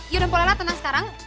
yaudah bolehlah tenang sekarang